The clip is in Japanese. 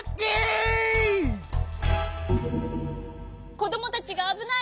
こどもたちがあぶない！